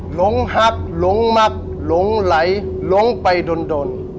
หลงหักหลงมักหลงไหลหลงไปดน